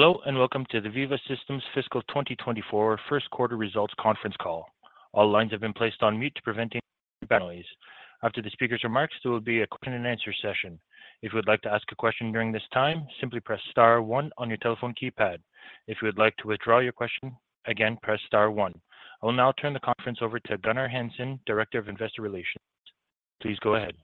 Hello, welcome to the Veeva Systems Fiscal 2024 First Quarter Results Conference Call. All lines have been placed on mute to preventing background noise. After the speaker's remarks, there will be a question and answer session. If you would like to ask a question during this time, simply press star one on your telephone keypad. If you would like to withdraw your question, again, press star one. I will now turn the conference over to Gunnar Hansen, Director of Investor Relations. Please go ahead.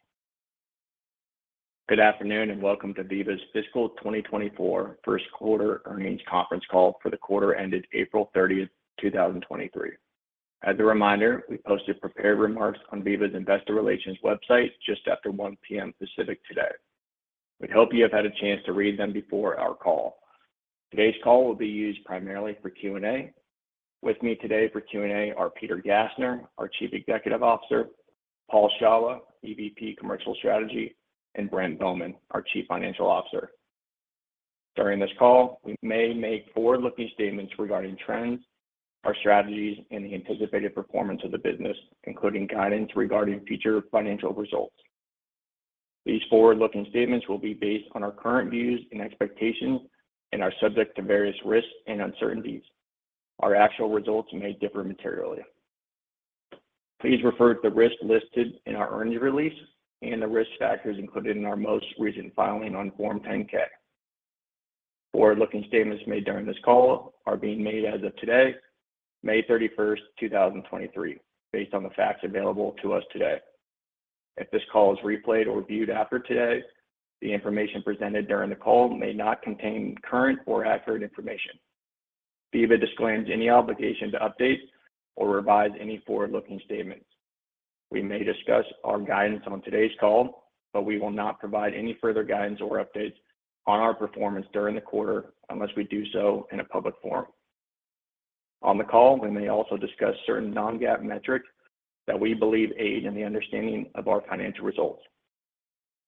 Good afternoon, welcome to Veeva's Fiscal 2024 First Quarter Earnings Conference Call for the quarter ended April 30, 2023. As a reminder, we posted prepared remarks on Veeva's Investor Relations website just after 1:00 P.M. Pacific today. We hope you have had a chance to read them before our call. Today's call will be used primarily for Q&A. With me today for Q&A are Peter Gassner, our Chief Executive Officer, Paul Shawah, EVP Commercial Strategy, and Brent Bowman, our Chief Financial Officer. During this call, we may make forward-looking statements regarding trends, our strategies, and the anticipated performance of the business, including guidance regarding future financial results. These forward-looking statements will be based on our current views and expectations and are subject to various risks and uncertainties. Our actual results may differ materially. Please refer to the risks listed in our earnings release and the risk factors included in our most recent filing on Form 10-K. Forward-looking statements made during this call are being made as of today, May 31, 2023, based on the facts available to us today. If this call is replayed or viewed after today, the information presented during the call may not contain current or accurate information. Veeva disclaims any obligation to update or revise any forward-looking statements. We may discuss our guidance on today's call, we will not provide any further guidance or updates on our performance during the quarter unless we do so in a public forum. On the call, we may also discuss certain non-GAAP metrics that we believe aid in the understanding of our financial results.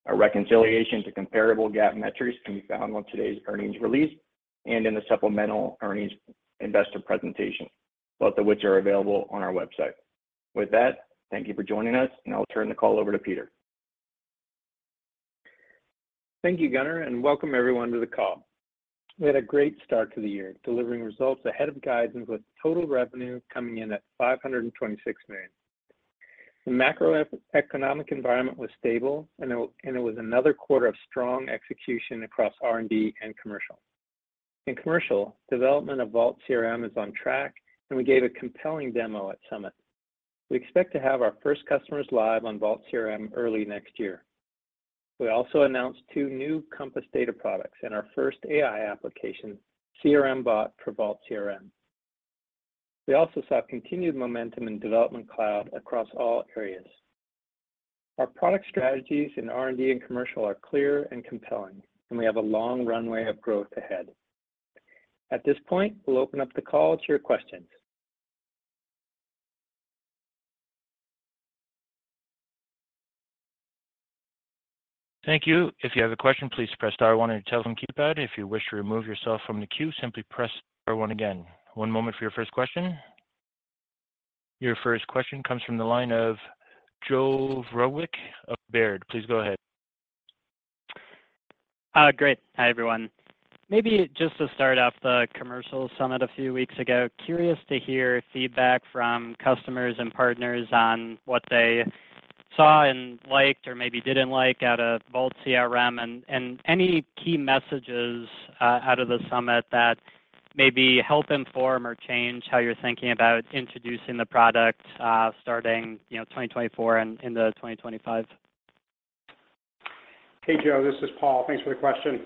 A reconciliation to comparable GAAP metrics can be found on today's earnings release and in the supplemental earnings investor presentation, both of which are available on our website. With that, thank you for joining us, and I'll turn the call over to Peter. Thank you, Gunnar, and welcome everyone to the call. We had a great start to the year, delivering results ahead of guidance, with total revenue coming in at $526 million. The macroeconomic environment was stable, and it was another quarter of strong execution across R&D and commercial. In commercial, development of Vault CRM is on track, and we gave a compelling demo at Summit. We expect to have our first customers live on Vault CRM early next year. We also announced two new Compass data products and our first AI application, CRM Bot, for Vault CRM. We also saw continued momentum in Development Cloud across all areas. Our product strategies in R&D and commercial are clear and compelling, and we have a long runway of growth ahead. At this point, we'll open up the call to your questions. Thank you. If you have a question, please press star one on your telephone keypad. If you wish to remove yourself from the queue, simply press star one again. One moment for your first question. Your first question comes from the line of Joe Vruwink of Baird. Please go ahead. Great. Hi, everyone. Maybe just to start off the Commercial Summit a few weeks ago, curious to hear feedback from customers and partners on what they saw and liked or maybe didn't like out of Vault CRM, and any key messages, out of the Summit that maybe help inform or change how you're thinking about introducing the product, starting, you know, 2024 and into 2025. Hey, Joe, this is Paul. Thanks for the question.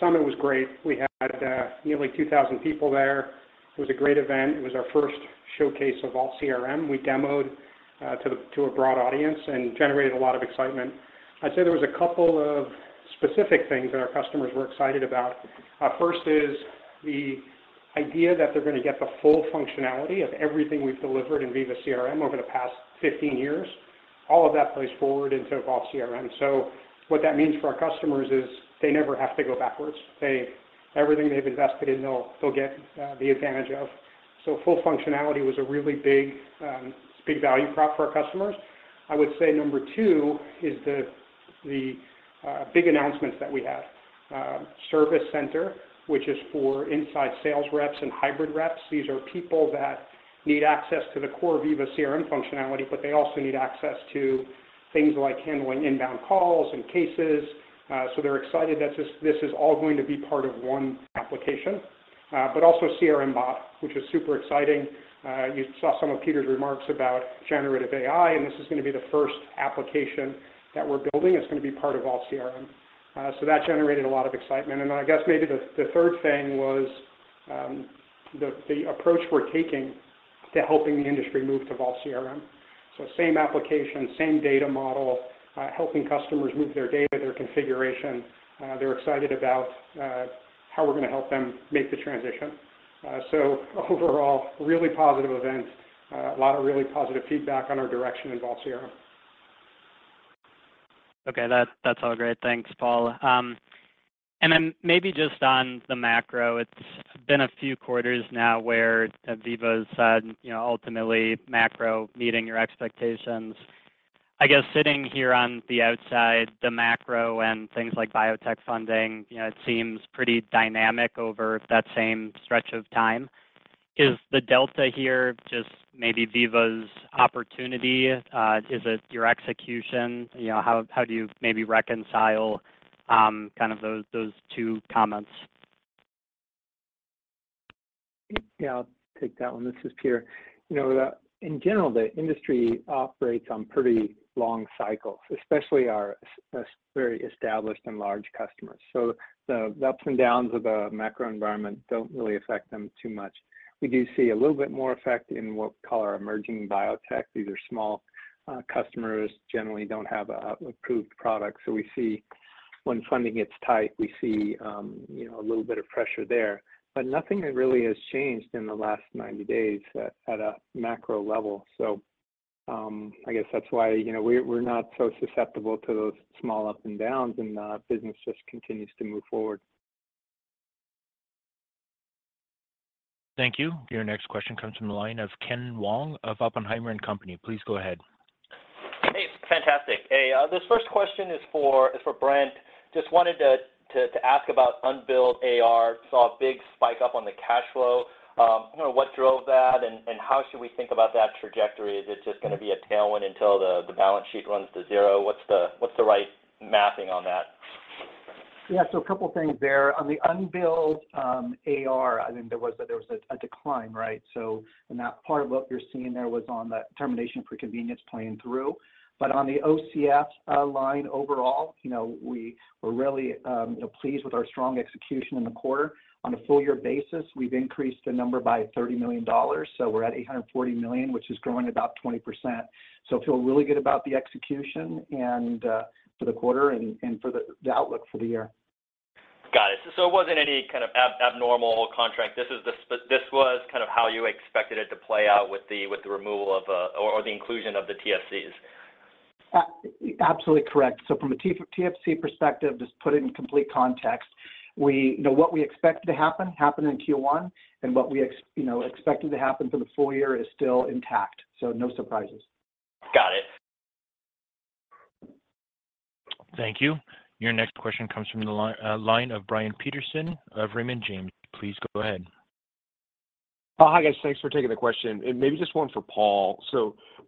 Summit was great. We had nearly 2,000 people there. It was a great event. It was our first showcase of Vault CRM. We demoed to a broad audience and generated a lot of excitement. I'd say there was a couple of specific things that our customers were excited about. First is the idea that they're gonna get the full functionality of everything we've delivered in Veeva CRM over the past 15 years. All of that plays forward into Vault CRM. What that means for our customers is they never have to go backwards. Everything they've invested in, they'll get the advantage of. Full functionality was a really big, big value prop for our customers. I would say number 2 is the big announcements that we have. Service Center, which is for inside sales reps and hybrid reps. These are people that need access to the core Veeva CRM functionality, but they also need access to things like handling inbound calls and cases. They're excited that this is all going to be part of one application, but also CRM Bot, which is super exciting. You saw some of Peter's remarks about generative AI, this is gonna be the first application that we're building. It's gonna be part of Vault CRM. That generated a lot of excitement. I guess maybe the third thing was the approach we're taking to helping the industry move to Vault CRM. Same application, same data model, helping customers move their data, their configuration. They're excited about how we're gonna help them make the transition. Overall, really positive events, a lot of really positive feedback on our direction in Vault CRM. Okay. That's all great. Thanks, Paul. Then maybe just on the macro, it's been a few quarters now where Veeva's said, you know, ultimately, macro meeting your expectations. I guess sitting here on the outside, the macro and things like biotech funding, you know, it seems pretty dynamic over that same stretch of time. Is the delta here just maybe Veeva's opportunity? Is it your execution? You know, how do you maybe reconcile, kind of those two comments? Yeah, I'll take that one. This is Peter. You know, in general, the industry operates on pretty long cycles, especially our very established and large customers. The ups and downs of the macro environment don't really affect them too much. We do see a little bit more effect in what we call our emerging biotech. These are small customers, generally don't have an approved product. We see when funding gets tight, we see, you know, a little bit of pressure there. Nothing that really has changed in the last 90 days at a macro level. I guess that's why, you know, we're not so susceptible to those small ups and downs, and business just continues to move forward. Thank you. Your next question comes from the line of Ken Wong of Oppenheimer and Company. Please go ahead. Hey, fantastic. Hey, this first question is for Brent. Just wanted to ask about unbilled AR. Saw a big spike up on the cash flow. You know, what drove that, and how should we think about that trajectory? Is it just going to be a tailwind until the balance sheet runs to zero? What's the right mapping on that? A couple of things there. On the unbilled AR, I think there was a decline, right? In that part of what you're seeing there was on the termination for convenience playing through. On the OCF line overall, you know, we were really, you know, pleased with our strong execution in the quarter. On a full year basis, we've increased the number by $30 million, so we're at $840 million, which is growing about 20%. Feel really good about the execution and for the quarter and for the outlook for the year. Got it. It wasn't any kind of abnormal contract. This is kind of how you expected it to play out with the removal of, or the inclusion of the TFCs? absolutely correct. From a TFC perspective, just put it in complete context, You know, what we expected to happen, happened in Q1, and what we you know, expected to happen for the full year is still intact, so no surprises. Got it. Thank you. Your next question comes from the line of Brian Peterson of Raymond James. Please go ahead. Oh, hi, guys. Thanks for taking the question, and maybe just one for Paul.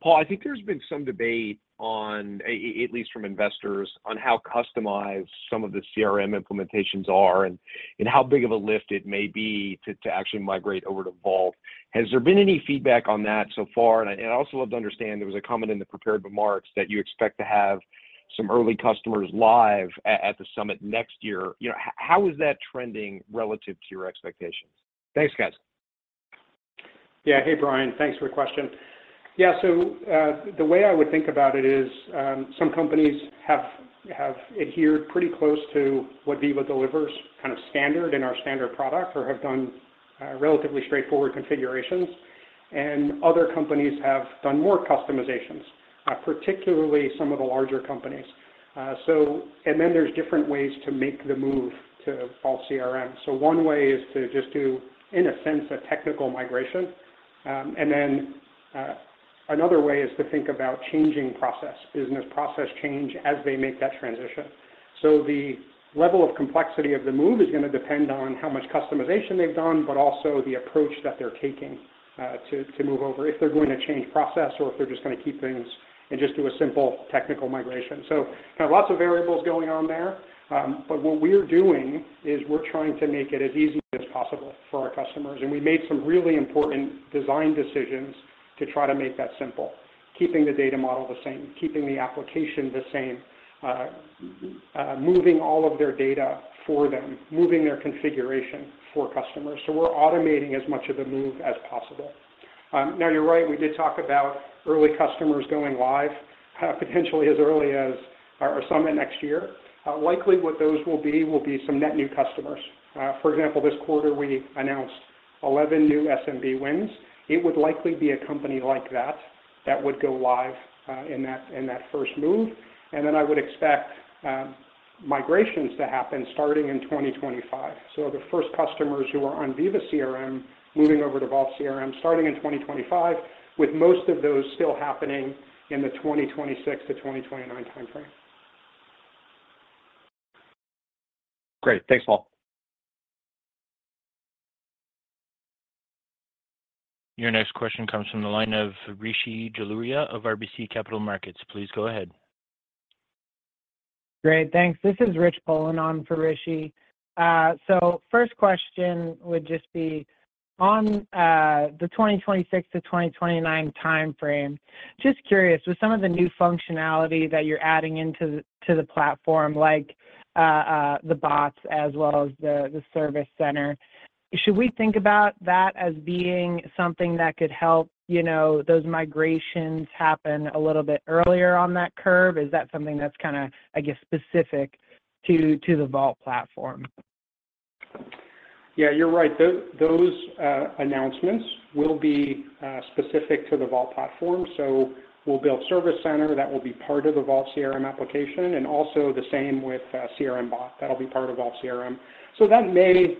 Paul, I think there's been some debate on, at least from investors, on how customized some of the CRM implementations are, and how big of a lift it may be to actually migrate over to Vault. Has there been any feedback on that so far? I'd also love to understand, there was a comment in the prepared remarks that you expect to have some early customers live at the Summit next year. You know, how is that trending relative to your expectations? Thanks, guys. Yeah. Hey, Brian. Thanks for the question. The way I would think about it is, some companies have adhered pretty close to what Veeva delivers, kind of standard in our standard product, or have done relatively straightforward configurations, and other companies have done more customizations, particularly some of the larger companies. There's different ways to make the move to Vault CRM. One way is to just do, in a sense, a technical migration. Another way is to think about changing process, business process change, as they make that transition. The level of complexity of the move is going to depend on how much customization they've done, but also the approach that they're taking to move over, if they're going to change process or if they're just going to keep things and just do a simple technical migration. Kind of lots of variables going on there, but what we're doing is we're trying to make it as easy as possible for our customers, and we made some really important design decisions to try to make that simple. Keeping the data model the same, keeping the application the same, moving all of their data for them, moving their configuration for customers. We're automating as much of the move as possible. Now, you're right, we did talk about early customers going live, potentially as early as our Summit next year. Likely, what those will be, will be some net new customers. For example, this quarter, we announced 11 new SMB wins. It would likely be a company like that that would go live in that first move, and then I would expect migrations to happen starting in 2025. The first customers who are on Veeva CRM, moving over to Vault CRM, starting in 2025, with most of those still happening in the 2026-2029 timeframe. Great. Thanks, Paul. Your next question comes from the line of Rishi Jaluria of RBC Capital Markets. Please go ahead. Great, thanks. This is Richard Poland on for Rishi. First question would just be on the 2026-2029 timeframe. Just curious, with some of the new functionality that you're adding into the, to the platform, like the bots as well as the Service Center, should we think about that as being something that could help, you know, those migrations happen a little bit earlier on that curve? Is that something that's kind of, I guess, specific to the Vault platform? Yeah, you're right. Those announcements will be specific to the Vault platform. We'll build Service Center that will be part of the Vault CRM application. Also the same with CRM Bot, that'll be part of Vault CRM. That may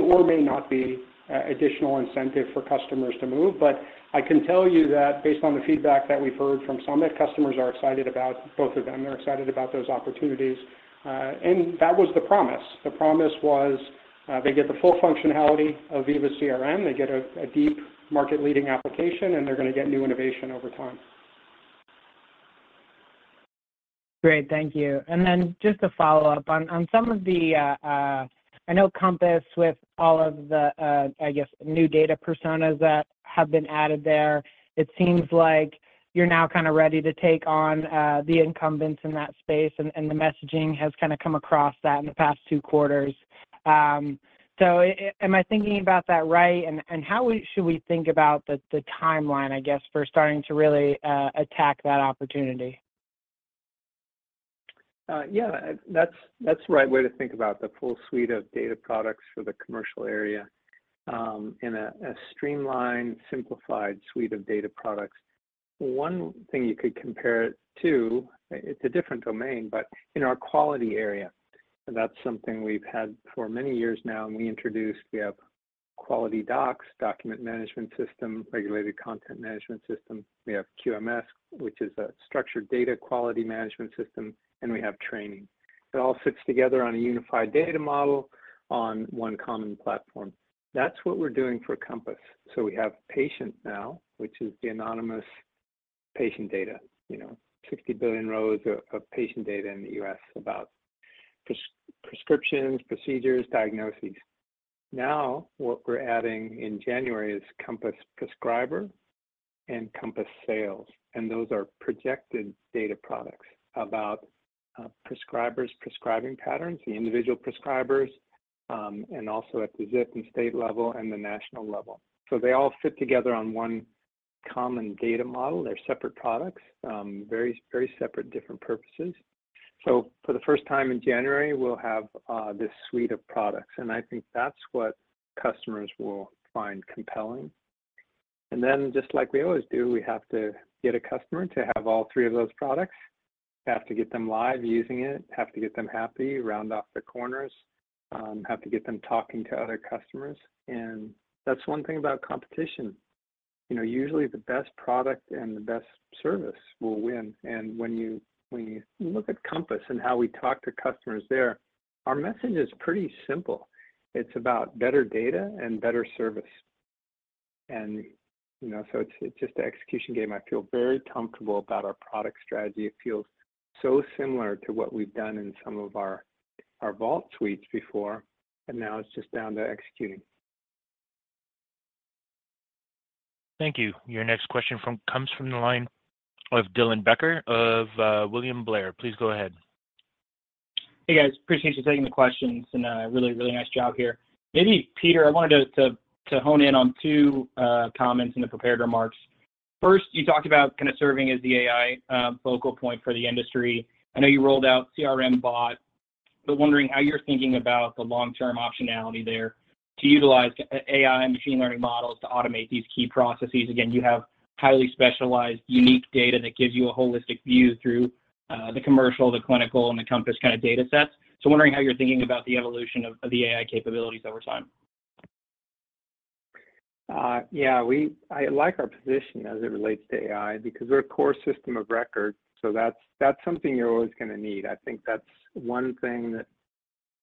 or may not be additional incentive for customers to move, but I can tell you that based on the feedback that we've heard from some, that customers are excited about both of them. They're excited about those opportunities, and that was the promise. The promise was, they get the full functionality of Veeva CRM, they get a deep market-leading application, and they're gonna get new innovation over time. Great, thank you. Then just to follow up, on some of the, I know Compass, with all of the, I guess, new data personas that have been added there, it seems like you're now kind of ready to take on the incumbents in that space, and the messaging has kind of come across that in the past two quarters. Am I thinking about that right? How we should we think about the timeline, I guess, for starting to really attack that opportunity? Yeah, that's the right way to think about the full suite of data products for the commercial area, in a streamlined, simplified suite of data products. One thing you could compare it to, it's a different domain, but in our quality area, that's something we've had for many years now. We introduced, we have QualityDocs, document management system, regulated content management system. We have QMS, which is a structured data quality management system. We have training. It all sits together on a unified data model on one common platform. That's what we're doing for Compass. We have patient now, which is the anonymous patient data. You know, 60 billion rows of patient data in the U.S. about prescriptions, procedures, diagnoses. What we're adding in January is Compass Prescriber and Compass Sales, and those are projected data products about prescribers, prescribing patterns, the individual prescribers, and also at the zip and state level and the national level. They all fit together on one common data model. They're separate products, very separate, different purposes. For the first time in January, we'll have this suite of products, and I think that's what customers will find compelling. Then, just like we always do, we have to get a customer to have all three of those products, have to get them live using it, have to get them happy, round off the corners, have to get them talking to other customers. That's one thing about competition. You know, usually the best product and the best service will win. When you look at Compass and how we talk to customers there, our message is pretty simple. It's about better data and better service. You know, so it's just an execution game. I feel very comfortable about our product strategy. It feels so similar to what we've done in some of our Vault suites before, and now it's just down to executing. Thank you. Your next question comes from the line of Dylan Becker, of William Blair. Please go ahead. Hey, guys. Appreciate you taking the questions, and really nice job here. Maybe, Peter, I wanted to hone in on two comments in the prepared remarks. First, you talked about kind of serving as the AI focal point for the industry. I know you rolled out CRM Bot, wondering how you're thinking about the long-term optionality there to utilize AI and machine learning models to automate these key processes. Again, you have highly specialized, unique data that gives you a holistic view through the commercial, the clinical, and the Compass kind of data sets. Wondering how you're thinking about the evolution of the AI capabilities over time. Yeah, I like our position as it relates to AI, because we're a core system of record, so that's something you're always gonna need. I think that's one thing that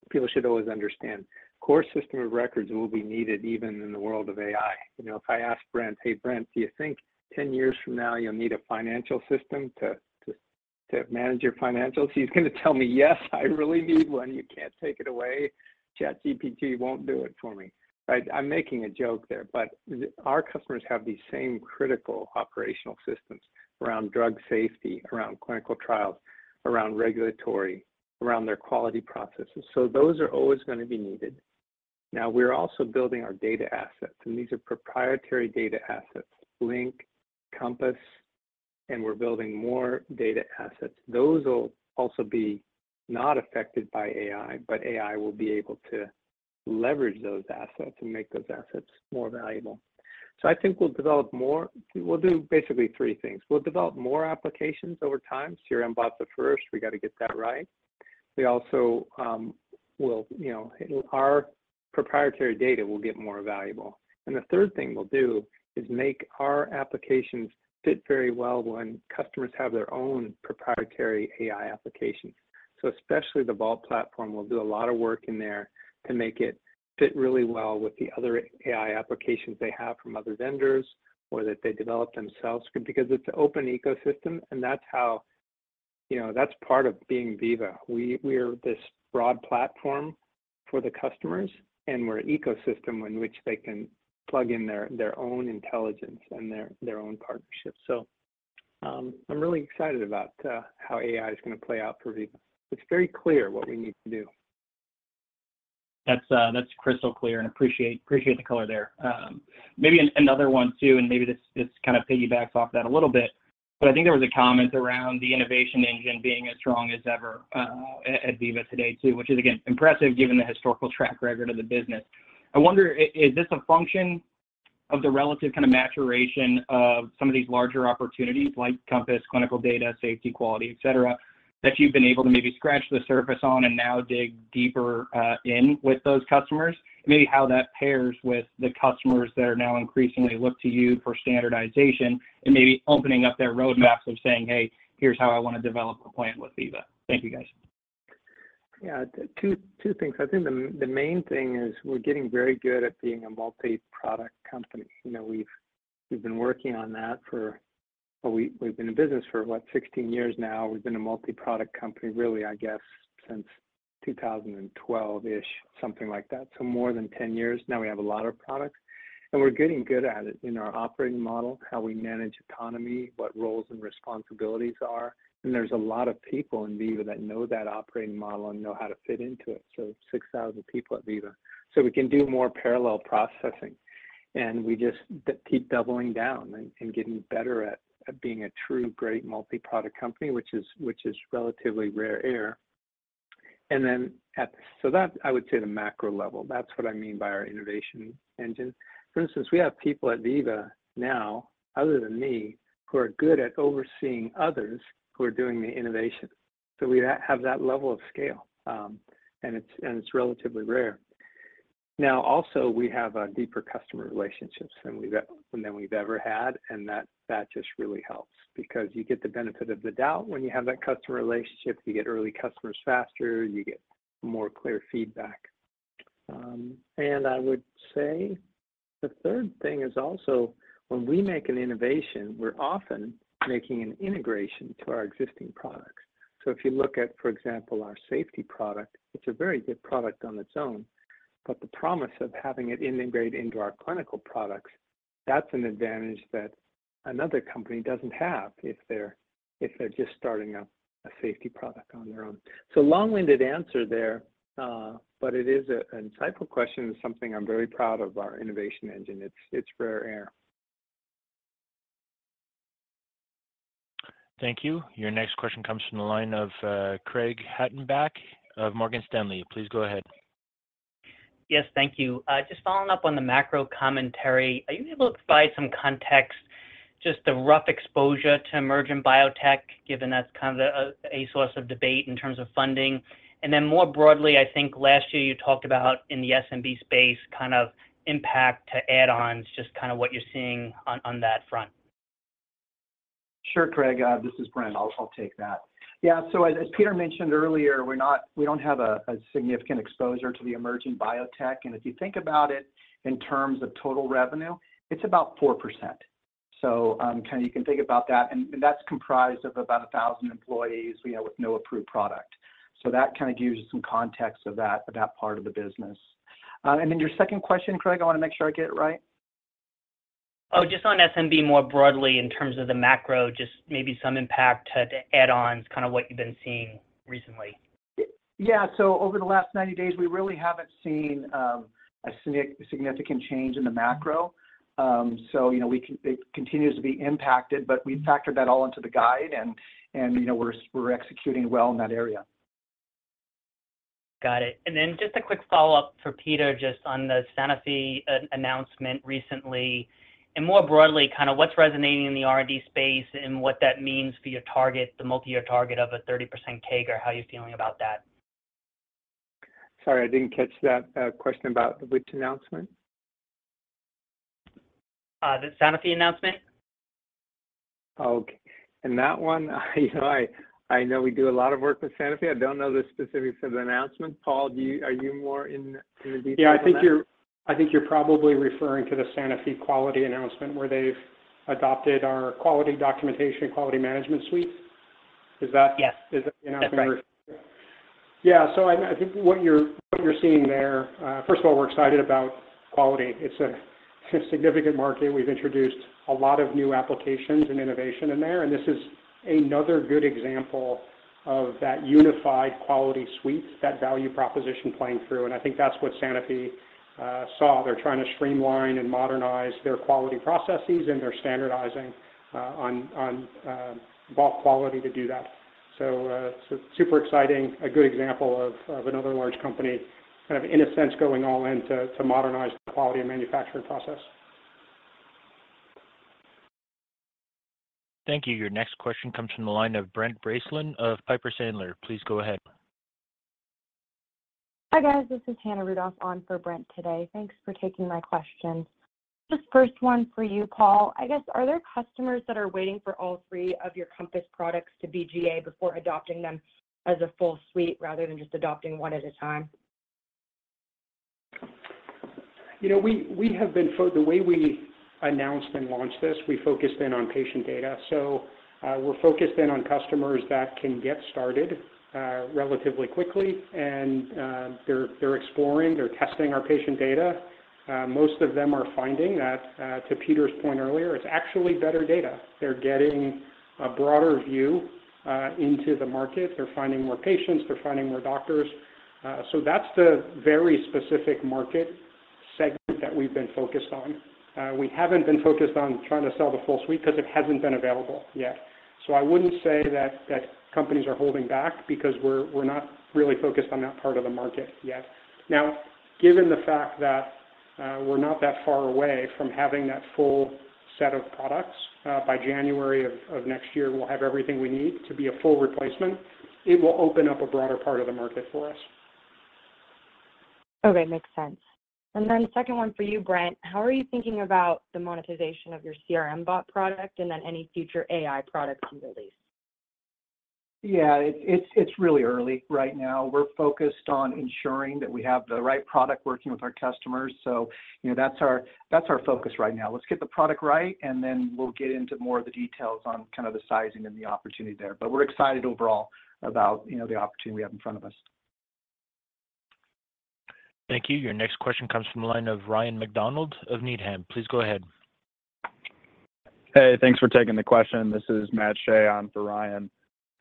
people should always understand. Core system of records will be needed even in the world of AI. You know, if I ask Brent: "Hey, Brent, do you think 10 years from now you'll need a financial system to manage your financials?" He's gonna tell me, "Yes, I really need one. You can't take it away. ChatGPT won't do it for me." I'm making a joke there, but our customers have these same critical operational systems around drug safety, around clinical trials, around regulatory, around their quality processes. Those are always gonna be needed. We're also building our data assets. These are proprietary data assets, Link, Compass, and we're building more data assets. Those will also be not affected by AI, but AI will be able to leverage those assets and make those assets more valuable. I think we'll develop more. We'll do basically three things. We'll develop more applications over time, CRM Bot the first, we got to get that right. We also, you know, our proprietary data will get more valuable. The third thing we'll do is make our applications fit very well when customers have their own proprietary AI applications. Especially the Vault platform, we'll do a lot of work in there to make it fit really well with the other AI applications they have from other vendors or that they developed themselves, because it's an open ecosystem, and that's how... You know, that's part of being Veeva. We're this broad platform for the customers, and we're an ecosystem in which they can plug in their own intelligence and their own partnerships. I'm really excited about how AI is gonna play out for Veeva. It's very clear what we need to do. That's crystal clear, and appreciate the color there. Maybe another one too, and maybe this kind of piggybacks off that a little bit. I think there was a comment around the innovation engine being as strong as ever at Veeva today, too, which is, again, impressive, given the historical track record of the business. I wonder, is this a function of the relative kind of maturation of some of these larger opportunities, like Compass, Clinical Data, Safety, Quality, etc., that you've been able to maybe scratch the surface on and now dig deeper in with those customers? Maybe how that pairs with the customers that are now increasingly look to you for standardization and maybe opening up their roadmaps of saying, "Hey, here's how I want to develop a plan with Veeva." Thank you, guys. Yeah. Two things. I think the main thing is we're getting very good at being a multi-product company. You know, we've been in business for, what, 16 years now. We've been a multi-product company, really, I guess, since 2012-ish, something like that. More than 10 years now, we have a lot of products, and we're getting good at it in our operating model, how we manage economy, what roles and responsibilities are. There's a lot of people in Veeva that know that operating model and know how to fit into it, so 6,000 people at Veeva. We can do more parallel processing, and we just keep doubling down and getting better at being a true, great multi-product company, which is, which is relatively rare air. Then at... That, I would say, the macro level, that's what I mean by our innovation engine. For instance, we have people at Veeva now, other than me, who are good at overseeing others who are doing the innovation. We have that level of scale, and it's relatively rare. Also, we have deeper customer relationships than we've ever had, and that just really helps because you get the benefit of the doubt when you have that customer relationship. You get early customers faster, you get more clear feedback. I would say the third thing is also when we make an innovation, we're often making an integration to our existing products. If you look at, for example, our safety product, it's a very good product on its own, but the promise of having it integrated into our clinical products, that's an advantage that another company doesn't have if they're just starting out a safety product on their own. Long-winded answer there, but it is a, an insightful question and something I'm very proud of our innovation engine. It's, it's rare air. Thank you. Your next question comes from the line of Craig Hettenbach of Morgan Stanley. Please go ahead. Yes, thank you. Just following up on the macro commentary, are you able to provide some context, just the rough exposure to emerging biotech, given that's kind of a source of debate in terms of funding? More broadly, I think last year you talked about in the SMB space, kind of impact to add-ons, just kind of what you're seeing on that front. Sure, Craig. This is Brent. I'll take that. As Peter mentioned earlier, we don't have a significant exposure to the emerging biotech, and if you think about it in terms of total revenue, it's about 4%. Kind of you can think about that, and that's comprised of about 1,000 employees, you know, with no approved product. That kind of gives you some context of that part of the business. Then your second question, Craig, I want to make sure I get it right. Oh, just on SMB, more broadly in terms of the macro, just maybe some impact to add-ons, kind of what you've been seeing recently. yeah. over the last 90 days, we really haven't seen a significant change in the macro. you know, it continues to be impacted, we factored that all into the guide and, you know, we're executing well in that area. Got it. Just a quick follow-up for Peter, just on the Sanofi announcement recently, and more broadly, kind of what's resonating in the R&D space and what that means for your target, the multi-year target of a 30% tag, or how you're feeling about that? Sorry, I didn't catch that, question about which announcement? The Sanofi announcement. Okay. In that one, I know we do a lot of work with Sanofi. I don't know the specifics of the announcement. Paul, are you more in the deep... I think you're probably referring to the Sanofi quality announcement, where they've adopted our quality documentation, quality management suite. Is that? Yes. Is that the announcement? That's right. I think what you're seeing there. First of all, we're excited about quality. It's a significant market. We've introduced a lot of new applications and innovation in there, and this is another good example of that unified quality suite, that value proposition playing through. I think that's what Sanofi saw. They're trying to streamline and modernize their quality processes. They're standardizing on Vault quality to do that. Super exciting. A good example of another large company, kind of in a sense, going all in to modernize the quality of manufacturing process. Thank you. Your next question comes from the line of Brent Bracelin of Piper Sandler. Please go ahead. Hi, guys. This is Hannah Rudoff on for Brent Bracelin today. Thanks for taking my questions. This first one for you, Paul Shawah. I guess, are there customers that are waiting for all three of your Compass products to be GA before adopting them as a full suite, rather than just adopting one at a time? You know, The way we announced and launched this, we focused in on patient data. We're focused in on customers that can get started, relatively quickly, and, they're exploring, they're testing our patient data. Most of them are finding that, to Peter's point earlier, it's actually better data. They're getting a broader view, into the market. They're finding more patients, they're finding more doctors. That's the very specific market. ... segment that we've been focused on. We haven't been focused on trying to sell the full suite because it hasn't been available yet. I wouldn't say that companies are holding back because we're not really focused on that part of the market yet. Given the fact that we're not that far away from having that full set of products, by January of next year, we'll have everything we need to be a full replacement, it will open up a broader part of the market for us. Okay, makes sense. Second one for you, Brent: How are you thinking about the monetization of your CRM Bot product and then any future AI products you release? Yeah, it's really early right now. We're focused on ensuring that we have the right product working with our customers. You know, that's our focus right now. Let's get the product right, and then we'll get into more of the details on kind of the sizing and the opportunity there. We're excited overall about, you know, the opportunity we have in front of us. Thank you. Your next question comes from the line of Ryan MacDonald of Needham. Please go ahead. Hey, thanks for taking the question. This is Matt Shea on for Ryan.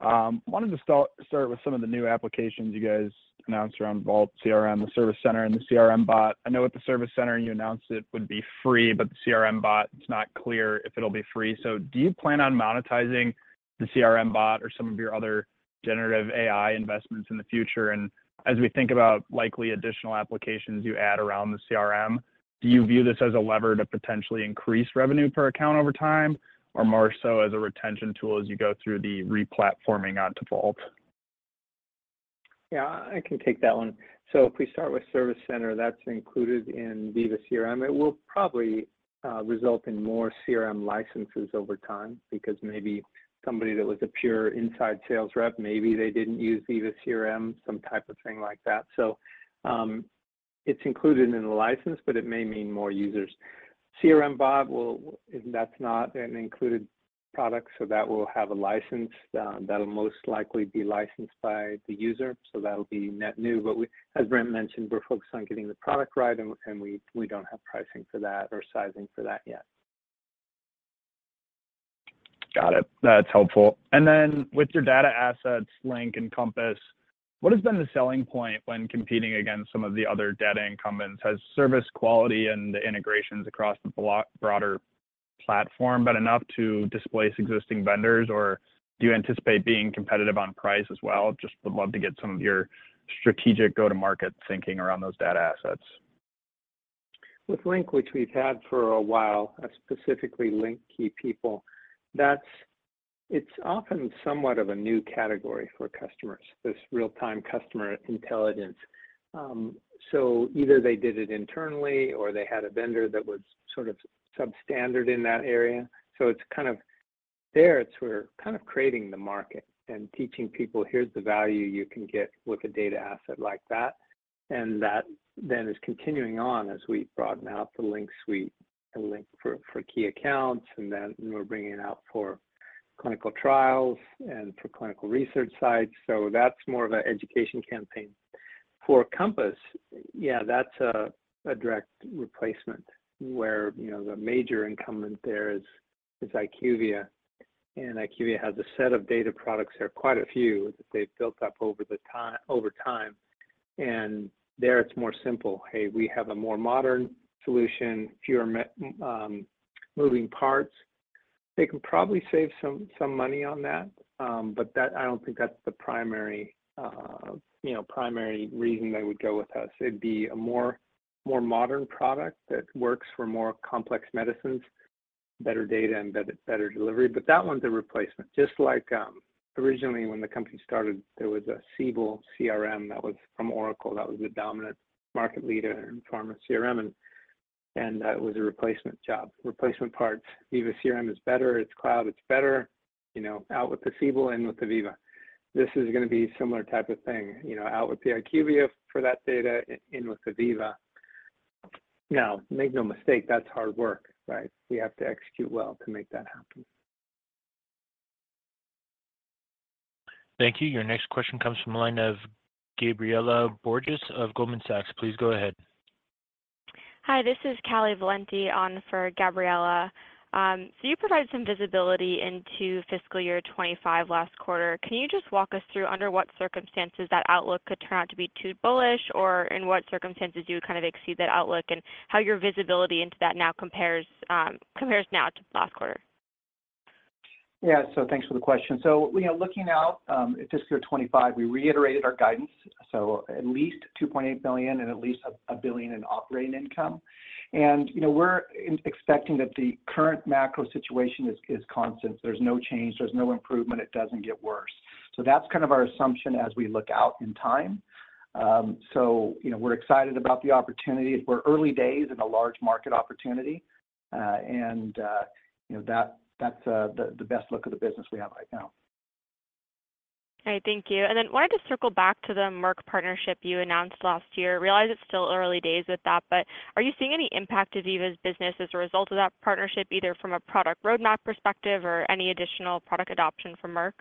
Wanted to start with some of the new applications you guys announced around Vault CRM, the Service Center, and the CRM Bot. I know with the Service Center, you announced it would be free, but the CRM Bot, it's not clear if it'll be free. Do you plan on monetizing the CRM Bot or some of your other generative AI investments in the future? As we think about likely additional applications you add around the CRM, do you view this as a lever to potentially increase revenue per account over time, or more so as a retention tool as you go through the replatforming onto Vault? Yeah, I can take that one. If we start with Service Center, that's included in Veeva CRM. It will probably result in more CRM licenses over time because maybe somebody that was a pure inside sales rep, maybe they didn't use Veeva CRM, some type of thing like that. It's included in the license, but it may mean more users. CRM Bot that's not an included product, so that will have a license. That'll most likely be licensed by the user, so that'll be net new. As Brent mentioned, we're focused on getting the product right, and we don't have pricing for that or sizing for that yet. Got it. That's helpful. With your data assets, Link and Compass, what has been the selling point when competing against some of the other data incumbents? Has service quality and the integrations across the broader platform been enough to displace existing vendors, or do you anticipate being competitive on price as well? Just would love to get some of your strategic go-to-market thinking around those data assets. With Link, which we've had for a while, specifically Link Key People, it's often somewhat of a new category for customers, this real-time customer intelligence. Either they did it internally, or they had a vendor that was sort of substandard in that area. It's kind of there, it's we're kind of creating the market and teaching people, "Here's the value you can get with a data asset like that." That then is continuing on as we broaden out the Link suite and Link for Key Accounts, and then we're bringing it out for clinical trials and for clinical research sites. Compass, yeah, that's a direct replacement where, you know, the major incumbent there is IQVIA. IQVIA has a set of data products. There are quite a few that they've built up over time, and there it's more simple. "Hey, we have a more modern solution, fewer moving parts." They can probably save some money on that, but I don't think that's the primary, you know, primary reason they would go with us. It'd be a more modern product that works for more complex medicines, better data, and better delivery. That one's a replacement. Just like originally when the company started, there was a Siebel CRM that was from Oracle, that was the dominant market leader in pharma CRM, and it was a replacement job, replacement parts. Veeva CRM is better, it's cloud, it's better, you know, out with the Siebel, in with the Veeva. This is gonna be a similar type of thing, you know, out with the IQVIA for that data, in with the Veeva. Now, make no mistake, that's hard work, right? We have to execute well to make that happen. Thank you. Your next question comes from the line of Gabriela Borges of Goldman Sachs. Please go ahead. Hi, this is Carolyn Valenti on for Gabriela. You provided some visibility into fiscal year 2025 last quarter. Can you just walk us through under what circumstances that outlook could turn out to be too bullish, or in what circumstances you would kind of exceed that outlook, and how your visibility into that now compares now to last quarter? Thanks for the question. You know, looking out at fiscal 2025, we reiterated our guidance, so at least $2.8 billion and at least $1 billion in operating income. You know, we're expecting that the current macro situation is constant. There's no change, there's no improvement, it doesn't get worse. That's kind of our assumption as we look out in time. You know, we're excited about the opportunity. We're early days in a large market opportunity, and, you know, that's the best look of the business we have right now. All right. Thank you. Wanted to circle back to the Merck partnership you announced last year. I realize it's still early days with that, but are you seeing any impact to Veeva's business as a result of that partnership, either from a product roadmap perspective or any additional product adoption from Merck?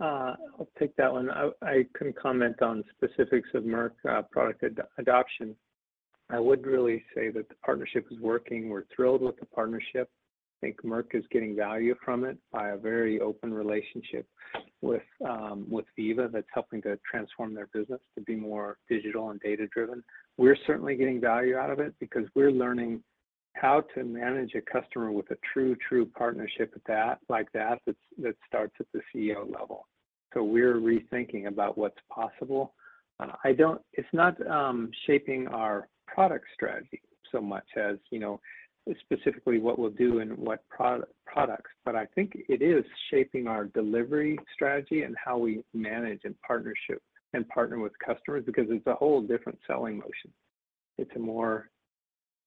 I'll take that one. I couldn't comment on specifics of Merck product adoption. I would really say that the partnership is working. We're thrilled with the partnership. I think Merck is getting value from it by a very open relationship with Veeva that's helping to transform their business to be more digital and data-driven. We're certainly getting value out of it because we're learning how to manage a customer with a true partnership like that starts at the CEO level. We're rethinking about what's possible. It's not shaping our product strategy so much as, you know, specifically what we'll do and what products, but I think it is shaping our delivery strategy and how we manage in partnership and partner with customers because it's a whole different selling motion. It's a more...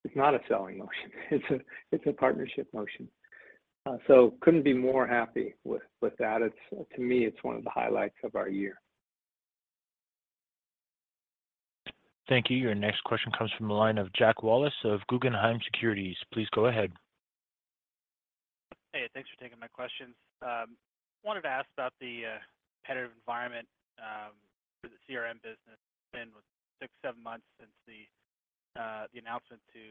It's not a selling motion, it's a partnership motion. Couldn't be more happy with that. To me, it's one of the highlights of our year. Thank you. Your next question comes from the line of Jack Wallace of Guggenheim Securities. Please go ahead. Hey, thanks for taking my questions. wanted to ask about the competitive environment for the CRM business. It's been what, six, seven months since the announcement to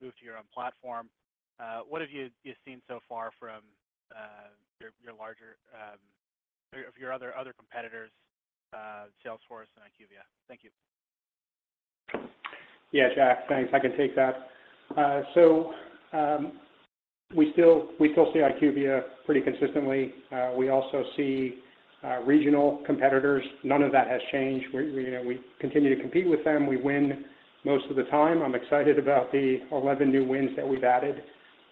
move to your own platform. What have you seen so far from your larger or of your other competitors, Salesforce and IQVIA? Thank you. Yeah, Jack, thanks. I can take that. We still see IQVIA pretty consistently. We also see regional competitors. None of that has changed. We, you know, we continue to compete with them. We win most of the time. I'm excited about the 11 new wins that we've added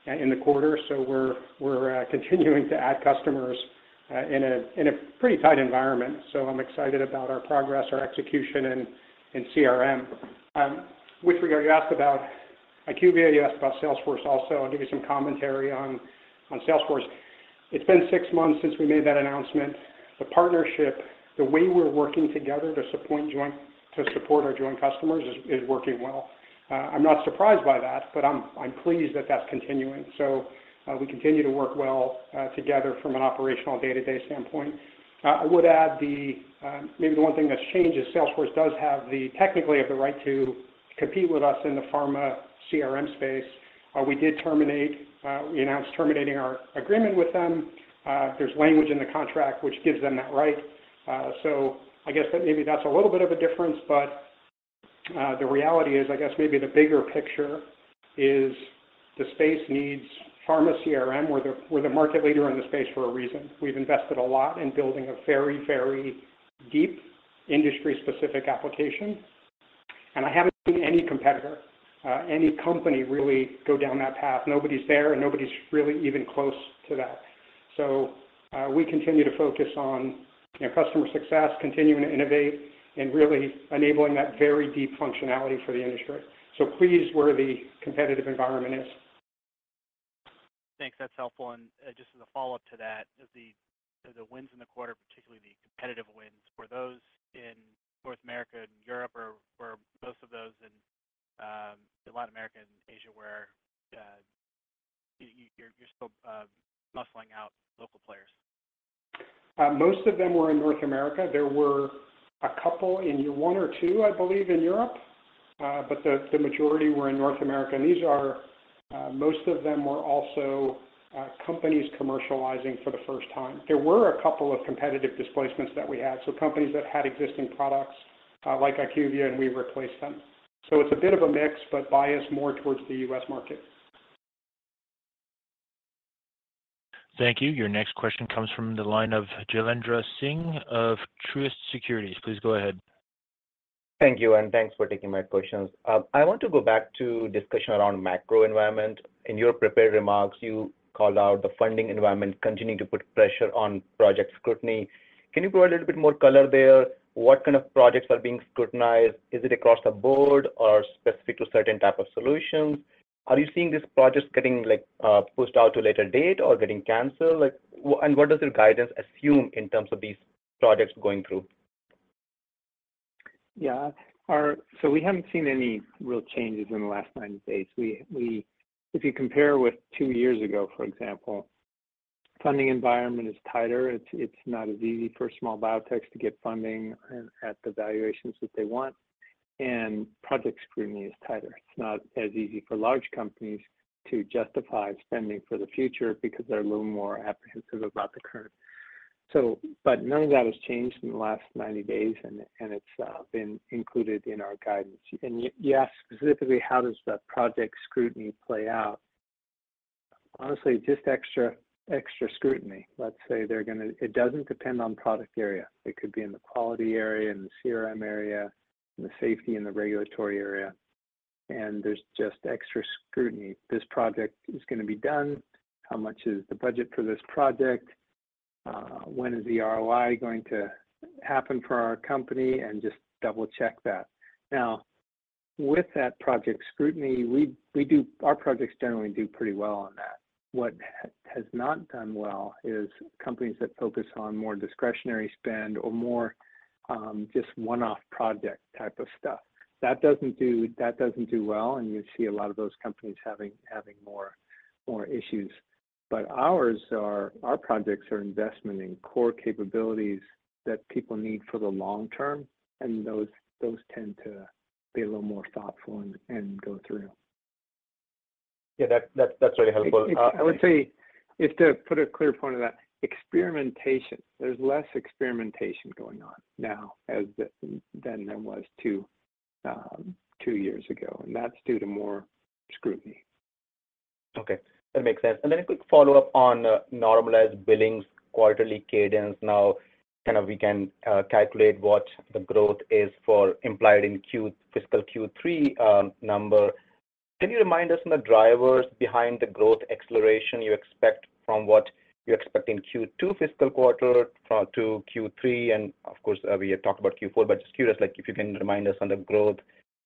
in the quarter, so we're continuing to add customers in a pretty tight environment. I'm excited about our progress, our execution in CRM. With regard, you asked about IQVIA, you asked about Salesforce also. I'll give you some commentary on Salesforce. It's been six months since we made that announcement. The partnership, the way we're working together to support our joint customers is working well. I'm not surprised by that, but I'm pleased that that's continuing. We continue to work well together from an operational day-to-day standpoint. I would add the one thing that's changed is Salesforce does have technically have the right to compete with us in the pharma CRM space. We did terminate, we announced terminating our agreement with them. There's language in the contract which gives them that right. I guess that maybe that's a little bit of a difference, but the reality is, I guess maybe the bigger picture is the space needs pharma CRM. We're the market leader in this space for a reason. We've invested a lot in building a very, very deep industry-specific application, and I haven't seen any competitor, any company really go down that path. Nobody's there, and nobody's really even close to that. We continue to focus on, you know, customer success, continuing to innovate, and really enabling that very deep functionality for the industry. Pleased where the competitive environment is. Thanks. That's helpful. Just as a follow-up to that, of the wins in the quarter, particularly the competitive wins, were those in North America and Europe, or were most of those in Latin America and Asia, where, you're still muscling out local players? Most of them were in North America. There were a couple in 1 or 2, I believe, in Europe, but the majority were in North America. These are most of them were also companies commercializing for the first time. There were a couple of competitive displacements that we had, so companies that had existing products, like IQVIA, and we replaced them. It's a bit of a mix, but biased more towards the US market. Thank you. Your next question comes from the line of Jailendra Singh of Truist Securities. Please go ahead. Thank you, and thanks for taking my questions. I want to go back to discussion around macro environment. In your prepared remarks, you called out the funding environment continuing to put pressure on project scrutiny. Can you provide a little bit more color there? What kind of projects are being scrutinized? Is it across the board or specific to certain type of solutions? Are you seeing these projects getting, like, pushed out to a later date or getting canceled? Like, and what does the guidance assume in terms of these projects going through? We haven't seen any real changes in the last 90 days. We if you compare with two years ago, for example, funding environment is tighter. It's, it's not as easy for small biotechs to get funding at the valuations that they want. Project scrutiny is tighter. It's not as easy for large companies to justify spending for the future because they're a little more apprehensive about the current. None of that has changed in the last 90 days, and it's been included in our guidance. You asked specifically, how does the project scrutiny play out? Honestly, just extra scrutiny. Let's say they're gonna it doesn't depend on product area. It could be in the quality area, in the CRM area, in the safety and the regulatory area, and there's just extra scrutiny. This project is gonna be done. How much is the budget for this project? When is the ROI going to happen for our company? Just double-check that. Now, with that project scrutiny, we our projects generally do pretty well on that. What has not done well is companies that focus on more discretionary spend or more just one-off project type of stuff. That doesn't do well, and you see a lot of those companies having more issues. Our projects are investment in core capabilities that people need for the long term, and those tend to be a little more thoughtful and go through. Yeah, that's really helpful. I would say, if to put a clear point of that, experimentation, there's less experimentation going on now than there was two years ago, and that's due to more scrutiny. Okay, that makes sense. A quick follow-up on normalized billings, quarterly cadence. Now, kind of we can calculate what the growth is for implied in fiscal Q3 number. Can you remind us on the drivers behind the growth acceleration you expect from what you expect in Q2 fiscal quarter to Q3? Of course, we had talked about Q4, but just curious, like if you can remind us on the growth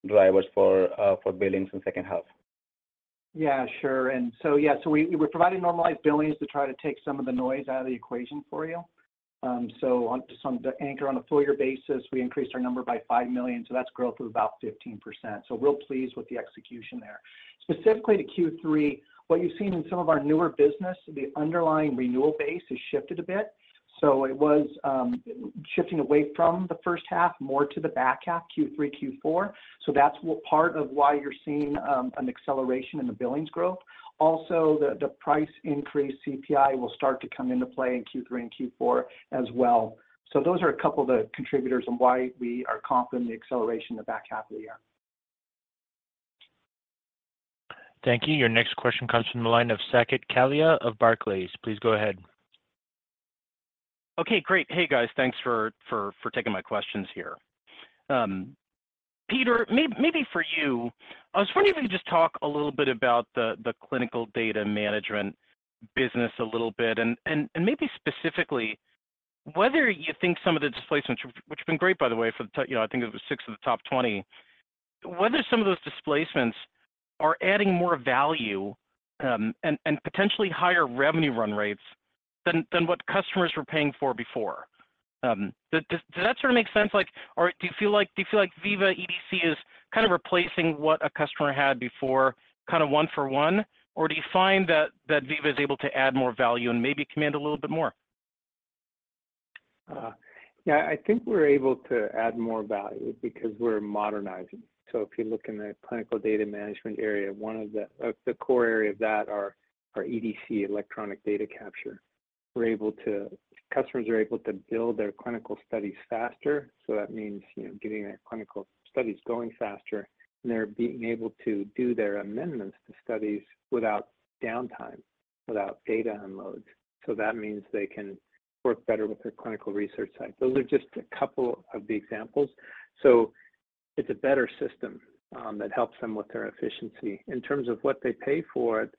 drivers for billings in second half. Yeah, sure. We're providing normalized billings to try to take some of the noise out of the equation for you. To anchor on a full year basis, we increased our number by $5 million, that's growth of about 15%. We're pleased with the execution there. Specifically to Q3, what you've seen in some of our newer business, the underlying renewal base has shifted a bit. It was shifting away from the first half, more to the back half, Q3, Q4. That's what part of why you're seeing an acceleration in the billings growth. Also, the price increase, CPI, will start to come into play in Q3 and Q4 as well. Those are a couple of the contributors on why we are confident in the acceleration in the back half of the year. Thank you. Your next question comes from the line of Saket Kalia of Barclays. Please go ahead. Okay, great. Hey, guys. Thanks for taking my questions here. Peter, maybe for you, I was wondering if you could just talk a little bit about the clinical data management business a little bit, and maybe specifically, whether you think some of the displacements, which have been great, by the way, for the, you know, I think it was 6 of the top 20. Whether some of those displacements are adding more value, and potentially higher revenue run rates than what customers were paying for before. Does that sort of make sense? Like, or do you feel like Veeva EDC is kind of replacing what a customer had before, kind of 1 for 1? Do you find that Veeva is able to add more value and maybe command a little bit more? Yeah, I think we're able to add more value because we're modernizing. If you look in the clinical data management area, one of the core area of that are EDC, electronic data capture. Customers are able to build their clinical studies faster, that means, you know, getting their clinical studies going faster, and they're being able to do their amendments to studies without downtime, without data unloads. That means they can work better with their clinical research site. Those are just a couple of the examples. It's a better system that helps them with their efficiency. In terms of what they pay for it,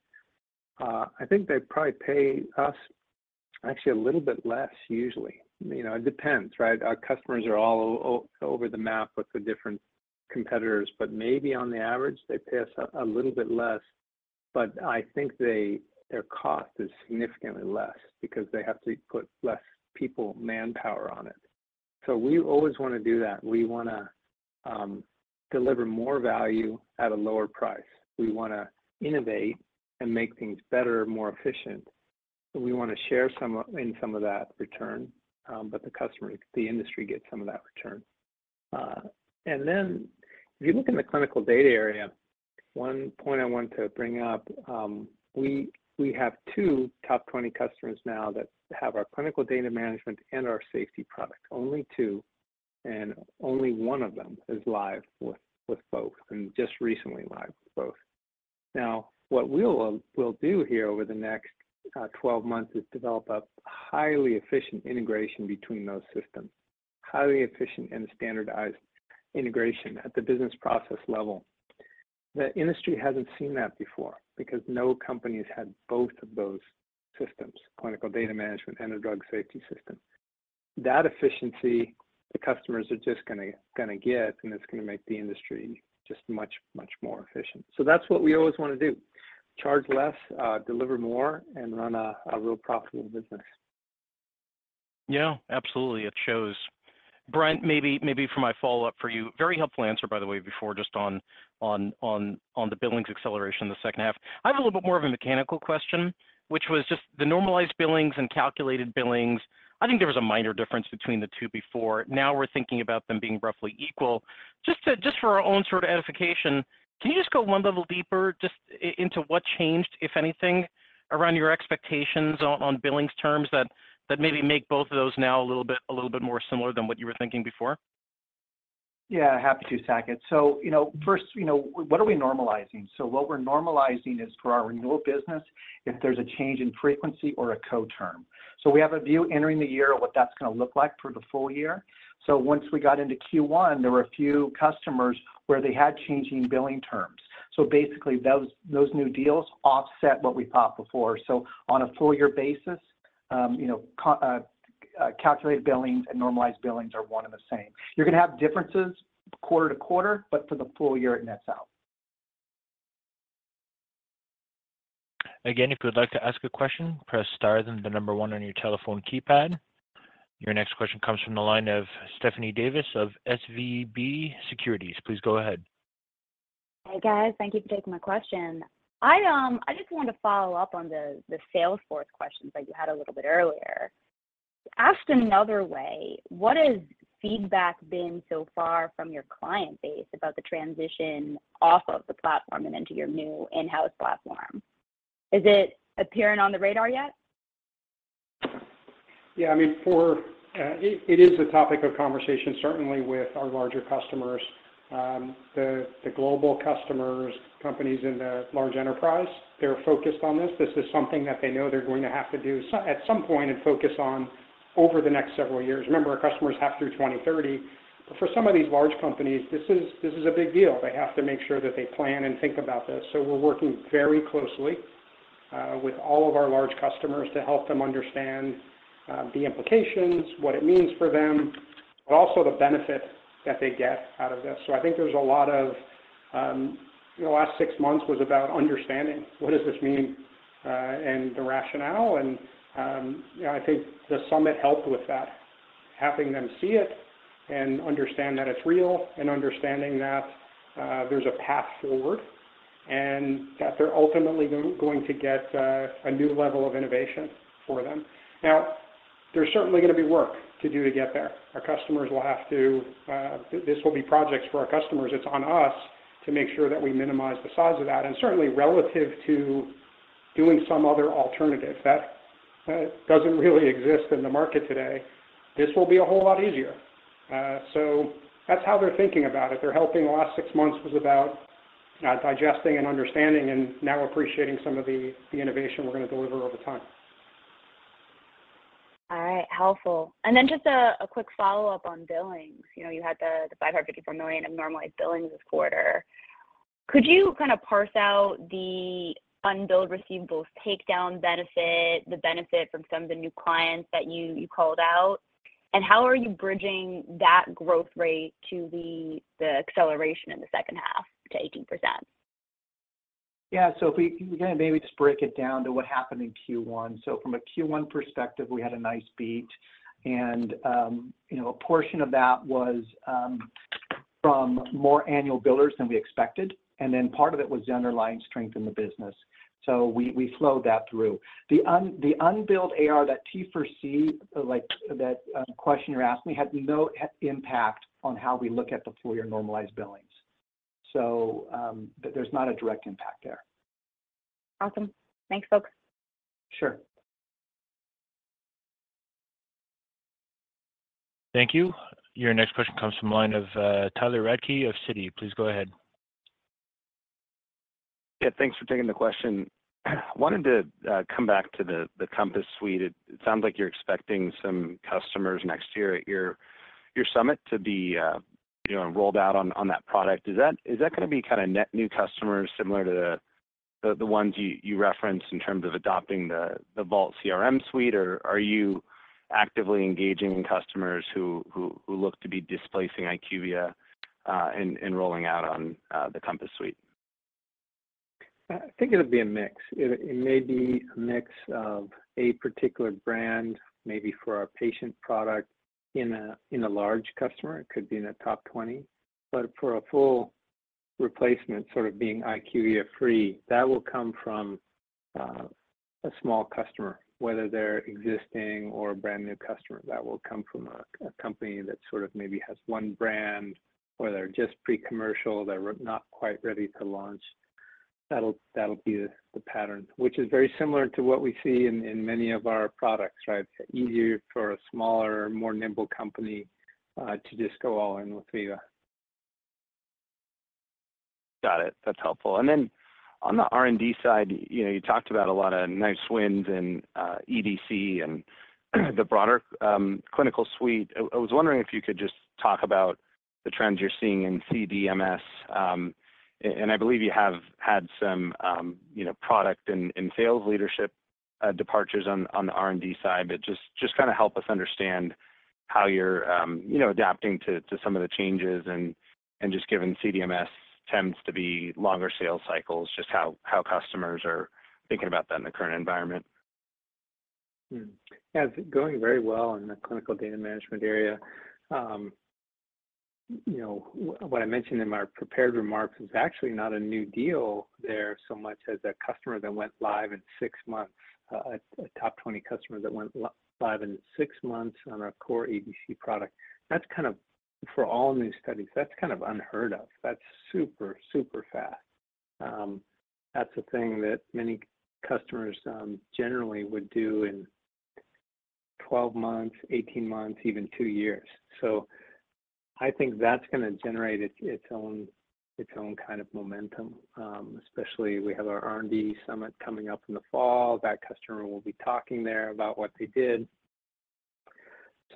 I think they probably pay us actually a little bit less, usually. You know, it depends, right? Our customers are all over the map with the different competitors, Maybe on the average, they pay us a little bit less. I think their cost is significantly less because they have to put less people, manpower on it. We always want to do that. We wanna deliver more value at a lower price. We wanna innovate and make things better, more efficient, and we wanna share some of that return, but the customer, the industry gets some of that return. If you look in the clinical data area, one point I want to bring up, we have 2 top 20 customers now that have our clinical data management and our safety product. Only 2, and only 1 of them is live with both, and just recently live with both. What we'll do here over the next 12 months is develop a highly efficient integration between those systems, highly efficient and standardized integration at the business process level. The industry hasn't seen that before because no company has had both of those systems, clinical data management and a drug safety system. That efficiency, the customers are just gonna get, and it's gonna make the industry just much, much more efficient. That's what we always wanna do: charge less, deliver more, and run a real profitable business. Yeah, absolutely. It shows. Brent, maybe for my follow-up for you. Very helpful answer, by the way, before, just on the billings acceleration in the second half. I have a little bit more of a mechanical question, which was just the normalized billings and calculated billings. I think there was a minor difference between the two before. Now, we're thinking about them being roughly equal. Just for our own sort of edification, can you just go one level deeper into what changed, if anything, around your expectations on billings terms that maybe make both of those now a little bit more similar than what you were thinking before? Happy to, Saket. You know, first, you know, what are we normalizing? What we're normalizing is for our renewal business, if there's a change in frequency or a co-term. We have a view entering the year of what that's gonna look like for the full year. Once we got into Q1, there were a few customers where they had changing billing terms. Basically, those new deals offset what we thought before. On a full year basis, you know, calculated billings and normalized billings are one and the same. You're gonna have differences quarter to quarter, but for the full year, it nets out. Again, if you would like to ask a question, press star, then the number one on your telephone keypad. Your next question comes from the line of Stephanie Davis of SVB Securities. Please go ahead. Hey, guys. Thank you for taking my question. I just wanted to follow up on the Salesforce questions that you had a little bit earlier. Asked another way, what has feedback been so far from your client base about the transition off of the platform and into your new in-house platform? Is it appearing on the radar yet? Yeah, I mean, for, it is a topic of conversation, certainly with our larger customers. The, the global customers, companies in the large enterprise, they're focused on this. This is something that they know they're going to have to do at some point and focus on over the next several years. Remember, our customers have through 2030, but for some of these large companies, this is a big deal. They have to make sure that they plan and think about this. We're working very closely with all of our large customers to help them understand the implications, what it means for them, but also the benefit that they get out of this. I think there's a lot of the last six months was about understanding what does this mean and the rationale. Yeah, I think the Summit helped with that, having them see it and understand that it's real, and understanding that there's a path forward, and that they're ultimately going to get a new level of innovation for them. There's certainly gonna be work to do to get there. Our customers will have to. This will be projects for our customers. It's on us to make sure that we minimize the size of that, and certainly relative to doing some other alternative. That doesn't really exist in the market today. This will be a whole lot easier. That's how they're thinking about it. They're helping. The last six months was about digesting and understanding, and now appreciating some of the innovation we're gonna deliver over time. All right. Helpful. Just a quick follow-up on billings. You know, you had the $554 million of normalized billings this quarter. Could you kind of parse out the unbilled receivables takedown benefit, the benefit from some of the new clients that you called out? How are you bridging that growth rate to the acceleration in the second half to 18%? If we're gonna maybe just break it down to what happened in Q1. From a Q1 perspective, we had a nice beat, and, you know, a portion of that was from more annual billers than we expected, and then part of it was the underlying strength in the business. We flowed that through. The unbilled AR, that TFC, like that question you're asking, had no impact on how we look at the full year normalized billings. There's not a direct impact there. Awesome. Thanks, folks. Sure. Thank you. Your next question comes from the line of Tyler Radke of Citi. Please go ahead. Yeah, thanks for taking the question. I wanted to come back to the Compass Suite. It sounds like you're expecting some customers next year at your Summit to be, you know, enrolled out on that product. Is that gonna be kind of net new customers, similar to the ones you referenced in terms of adopting the Vault CRM suite, or are you actively engaging customers who look to be displacing IQVIA and rolling out on the Compass Suite? I think it may be a mix of a particular brand, maybe for our patient product in a large customer. It could be in a top 20, but for a full replacement, sort of being IQVIA free, that will come from a small customer, whether they're existing or a brand-new customer. That will come from a company that sort of maybe has one brand, or they're just pre-commercial, they're not quite ready to launch. That'll be the pattern, which is very similar to what we see in many of our products, right? Easier for a smaller, more nimble company to just go all in with Veeva. Got it. That's helpful. Then on the R&D side, you know, you talked about a lot of nice wins in EDC and the broader clinical suite. I was wondering if you could just talk about the trends you're seeing in CDMS. And I believe you have had some, you know, product and sales leadership departures on the R&D side. Just kind of help us understand how you're, you know, adapting to some of the changes and just given CDMS tends to be longer sales cycles, just how customers are thinking about that in the current environment. Yeah, it's going very well in the clinical data management area. You know, what I mentioned in my prepared remarks is actually not a new deal there so much as a customer that went live in six months, a top 20 customer that went live in 6 months on our core EDC product. That's kind of. For all new studies, that's kind of unheard of. That's super fast. That's a thing that many customers generally would do in 12 months, 18 months, even two years. I think that's gonna generate its own kind of momentum, especially we have our R&D Summit coming up in the fall. That customer will be talking there about what they did.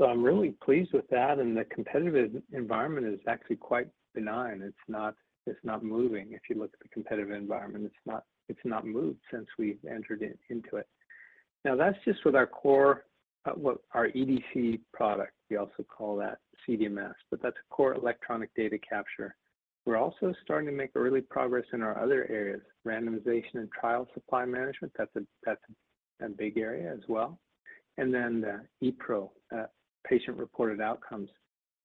I'm really pleased with that. The competitive environment is actually quite benign. It's not moving. If you look at the competitive environment, it's not moved since we've entered it into it. Now, that's just with our core, what our EDC product, we also call that CDMS, but that's a core electronic data capture. We're also starting to make early progress in our other areas, randomization and trial supply management. That's a big area as well. Then the ePRO, patient-reported outcomes,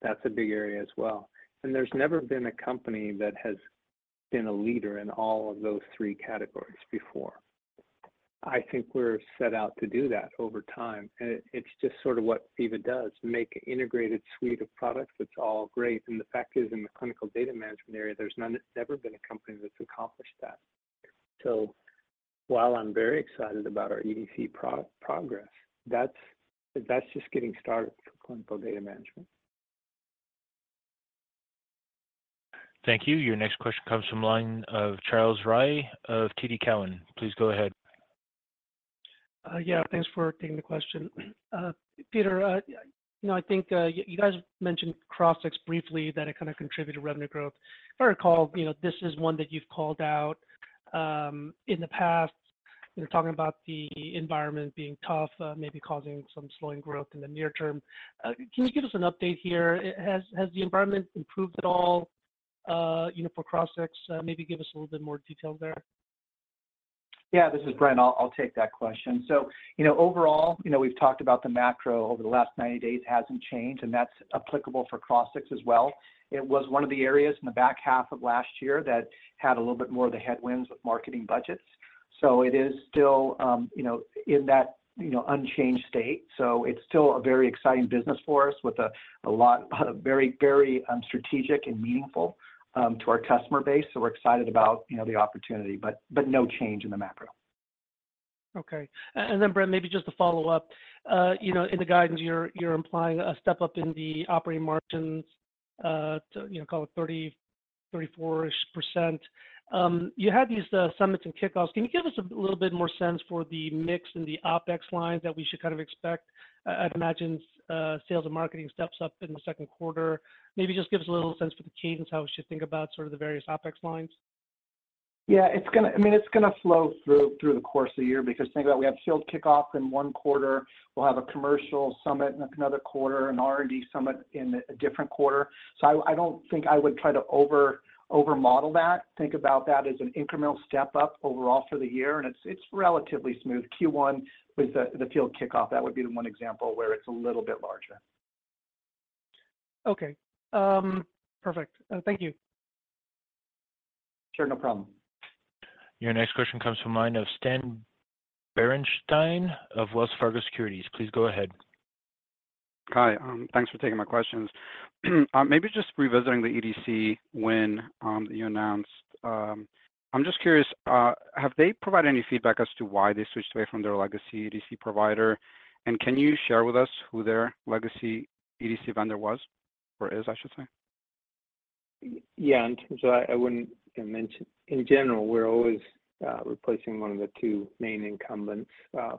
that's a big area as well. There's never been a company that has been a leader in all of those three categories before. I think we're set out to do that over time, and it's just sort of what Veeva does, make an integrated suite of products that's all great. The fact is, in the clinical data management area, there's never been a company that's accomplished that. While I'm very excited about our EDC progress, that's just getting started for clinical data management. Thank you. Your next question comes from line of Charles Ryee of TD Cowen. Please go ahead. Yeah, thanks for taking the question. Peter, you know, I think, you guys mentioned Crossix briefly, that it kind of contributed to revenue growth. If I recall, you know, this is one that you've called out in the past. You're talking about the environment being tough, maybe causing some slowing growth in the near term. Can you give us an update here? Has the environment improved at all, you know, for Crossix? Maybe give us a little bit more detail there. Yeah, this is Brent. I'll take that question. You know, overall, you know, we've talked about the macro over the last 90 days hasn't changed, and that's applicable for Crossix as well. It was one of the areas in the back half of last year that had a little bit more of the headwinds with marketing budgets. It is still, you know, in that, you know, unchanged state. It's still a very exciting business for us with a lot very, very strategic and meaningful to our customer base. We're excited about, you know, the opportunity, but no change in the macro. Okay. Then, Brent, maybe just to follow up. You know, in the guidance, you're implying a step-up in the operating margins, to, you know, call it 30-34ish%. You had these summits and kickoffs. Can you give us a little bit more sense for the mix in the OpEx lines that we should kind of expect? I'd imagine, sales and marketing steps up in the second quarter. Maybe just give us a little sense for the cadence, how we should think about sort of the various OpEx lines. I mean, it's gonna flow through the course of the year because think about it, we have field kickoff in one quarter, we'll have a commercial Summit in another quarter, an R&D Summit in a different quarter. I don't think I would try to over-model that. Think about that as an incremental step up overall for the year, and it's relatively smooth. Q1 with the field kickoff, that would be the one example where it's a little bit larger. Okay. perfect. Thank you. Sure, no problem. Your next question comes from line of Stan Berenshteyn of Wells Fargo Securities. Please go ahead. Hi, thanks for taking my questions. Maybe just revisiting the EDC win that you announced, I'm just curious, have they provided any feedback as to why they switched away from their legacy EDC provider? Can you share with us who their legacy EDC vendor was, or is, I should say? Yeah, in terms of that, I wouldn't mention. In general, we're always replacing one of the two main incumbents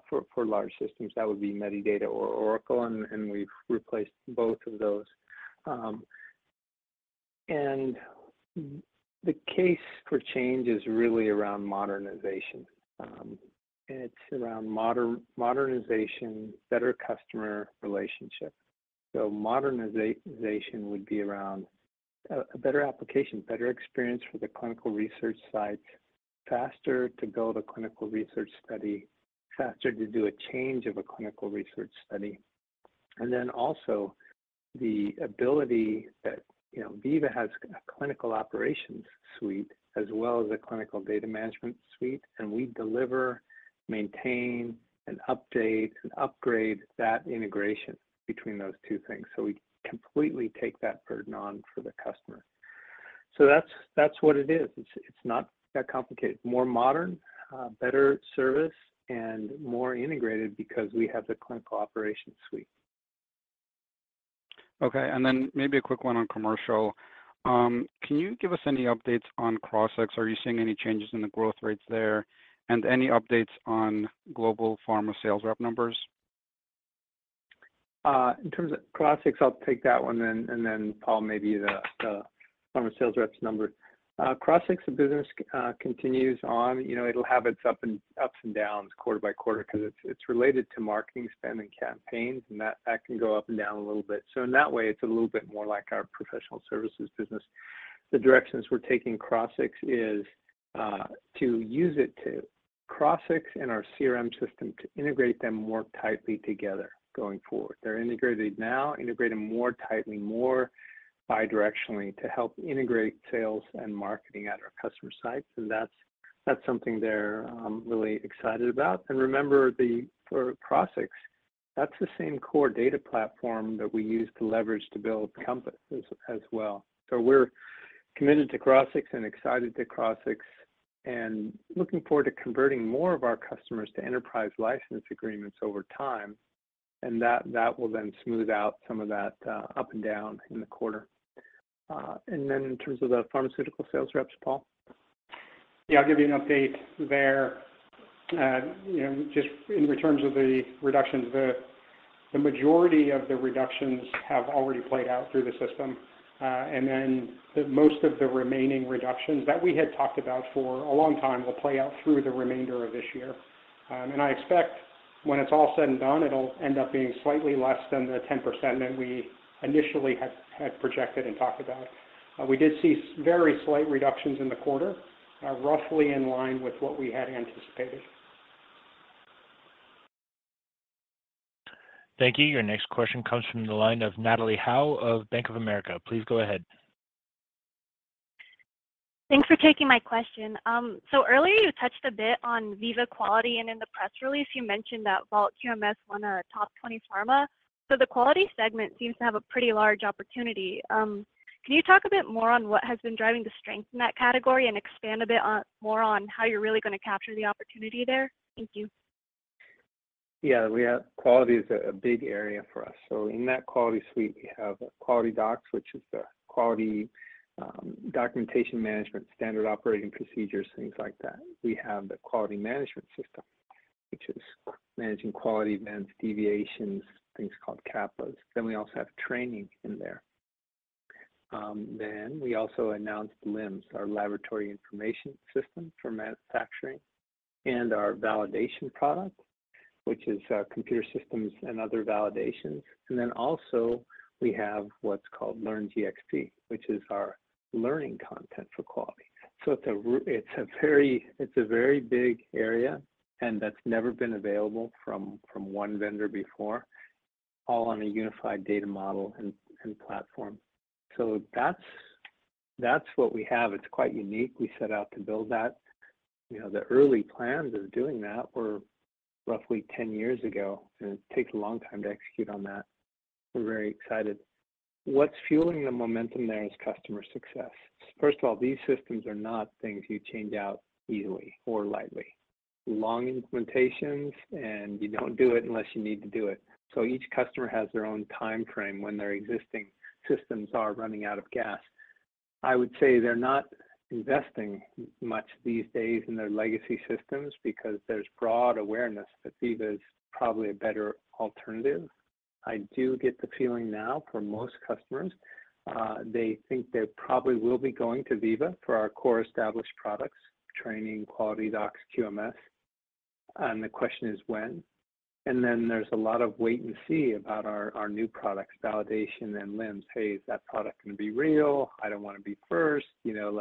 for large systems. That would be Medidata or Oracle, and we've replaced both of those. The case for change is really around modernization. It's around modernization, better customer relationship. Modernization would be around a better application, better experience for the clinical research sites, faster to build a clinical research study, faster to do a change of a clinical research study. Also the ability that, you know, Veeva has a clinical operations suite as well as a clinical data management suite, and we deliver, maintain, and update and upgrade that integration between those two things. We completely take that burden on for the customer. That's what it is. It's not that complicated. More modern, better service, and more integrated because we have the clinical operations suite. Okay, maybe a quick one on commercial. Can you give us any updates on Crossix? Are you seeing any changes in the growth rates there? Any updates on global pharma sales rep numbers? In terms of Crossix, I'll take that one then, and then, Paul, maybe the pharma sales reps number. Crossix, the business, continues on. You know, it'll have its ups and downs quarter by quarter because it's related to marketing spend and campaigns, and that can go up and down a little bit. In that way, it's a little bit more like our professional services business. The directions we're taking Crossix is to use Crossix and our CRM system, to integrate them more tightly together going forward. They're integrated now, integrate them more tightly, more bidirectionally, to help integrate sales and marketing at our customer sites, and that's something they're really excited about. Remember, for Crossix, that's the same core data platform that we use to leverage to build Compass as well. We're committed to Crossix and excited to Crossix and looking forward to converting more of our customers to enterprise license agreements over time, and that will then smooth out some of that up and down in the quarter. In terms of the pharmaceutical sales reps, Paul? Yeah, I'll give you an update there. you know, just in terms of the reductions, the majority of the reductions have already played out through the system. The most of the remaining reductions that we had talked about for a long time will play out through the remainder of this year. I expect when it's all said and done, it'll end up being slightly less than the 10% that we initially had projected and talked about. We did see very slight reductions in the quarter.... are roughly in line with what we had anticipated. Thank you. Your next question comes from the line of Natalie Howe of Bank of America. Please go ahead. Thanks for taking my question. Earlier, you touched a bit on Veeva Quality, and in the press release, you mentioned that Vault QMS won a top 20 pharma. The Quality segment seems to have a pretty large opportunity. Can you talk a bit more on what has been driving the strength in that category and expand a bit on, more on how you're really gonna capture the opportunity there? Thank you. Yeah, we have, quality is a big area for us. In that quality suite, we have QualityDocs, which is the quality documentation management, standard operating procedures, things like that. We have the quality management system, which is managing quality events, deviations, things called CAPAs. We also have training in there. We also announced LIMS, our laboratory information system for manufacturing, and our validation product, which is computer systems and other validations. We have what's called LearnGxP, which is our learning content for quality. It's a very big area, and that's never been available from one vendor before, all on a unified data model and platform. That's what we have. It's quite unique. We set out to build that. You know, the early plans of doing that were roughly 10 years ago, and it takes a long time to execute on that. We're very excited. What's fueling the momentum there is customer success. First of all, these systems are not things you change out easily or lightly. Long implementations, you don't do it unless you need to do it. Each customer has their own timeframe when their existing systems are running out of gas. I would say they're not investing much these days in their legacy systems because there's broad awareness that Veeva is probably a better alternative. I do get the feeling now for most customers, they think they probably will be going to Veeva for our core established products, Training, QualityDocs, QMS, and the question is when? There's a lot of wait and see about our new products, Validation and LIMS. Hey, is that product gonna be real? I don't wanna be first. You know,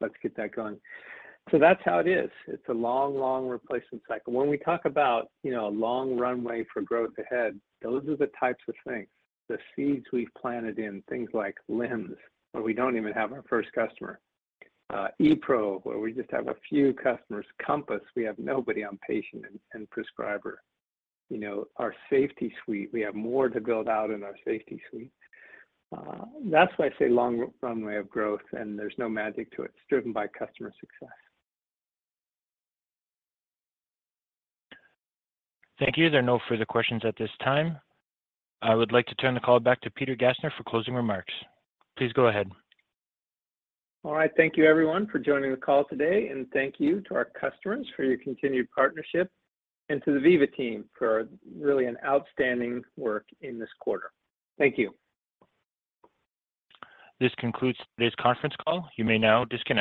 let's get that going. That's how it is. It's a long, long replacement cycle. When we talk about, you know, a long runway for growth ahead, those are the types of things, the seeds we've planted in things like LIMS, where we don't even have our first customer. ePRO, where we just have a few customers. Compass, we have nobody on patient and prescriber. You know, our safety suite, we have more to build out in our safety suite. That's why I say long runway of growth, and there's no magic to it. It's driven by customer success. Thank you. There are no further questions at this time. I would like to turn the call back to Peter Gassner for closing remarks. Please go ahead. All right. Thank you everyone for joining the call today, and thank you to our customers for your continued partnership, and to the Veeva team for really an outstanding work in this quarter. Thank you. This concludes today's conference call. You may now disconnect.